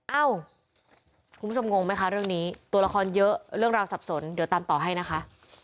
เอ้าคุณผู้ชมงงไหมคะเรื่องนี้ตัวละครเยอะเรื่องราวสับสนเดี๋ยวตามต่อให้นะคะ